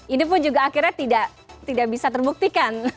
ini pun juga akhirnya tidak bisa terbuktikan